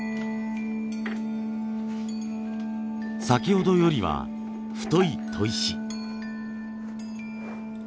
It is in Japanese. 先ほどよりは太い砥石。